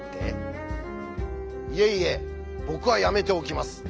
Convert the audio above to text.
いえいえ僕はやめておきます。